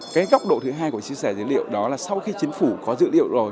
cái góc độ thứ hai của chia sẻ dữ liệu đó là sau khi chính phủ có dữ liệu rồi